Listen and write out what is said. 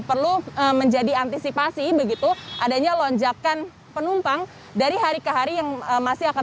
perlu menjadi antisipasi begitu adanya lonjakan penumpang dari hari ke hari yang masih akan